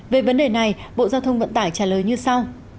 về vấn đề này bộ giao thông vận tải trả lời như sau